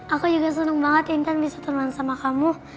aku juga senang banget intan bisa teman sama kamu